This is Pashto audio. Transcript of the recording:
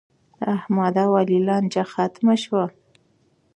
د احمد او علي لانجه ختمه شوه.